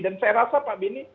dan saya rasa pak beni